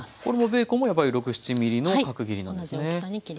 これもベーコンもやっぱり６７ｍｍの角切りなんですね？